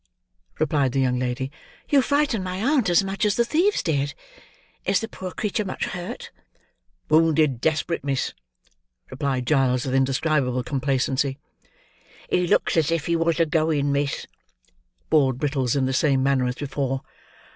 replied the young lady; "you frighten my aunt as much as the thieves did. Is the poor creature much hurt?" "Wounded desperate, miss," replied Giles, with indescribable complacency. "He looks as if he was a going, miss," bawled Brittles, in the same manner as before.